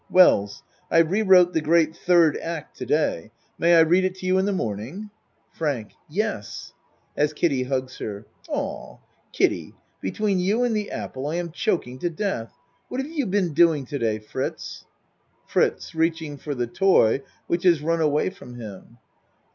WELLS I rewrote the great third act to day. ACT I 21 May I read it to you in the morning? FRANK Yes. (As Kiddie hugs her.) Aw Kiddie between you and the apple I am choking to death. What have you been doing to day, Fritz? FRITZ (Reaching for the toy which has run away from him.)